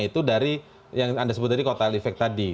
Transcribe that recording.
itu dari yang anda sebut tadi kotel efek tadi